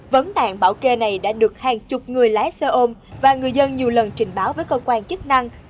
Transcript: vấn đạn bảo kê này đã được hàng chục người lái xe ôm và người dân nhiều lần trình báo với cơ quan chức năng